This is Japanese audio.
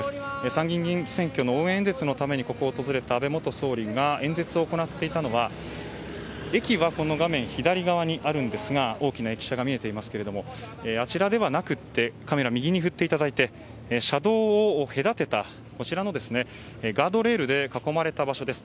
参議院議員選挙の応援演説のためにここを訪れた安倍元総理が演説を行っていたのは駅は画面左側にあるんですが大きな駅舎が見えていますがあちらではなくて車道を隔てたガードレールで囲まれた場所です。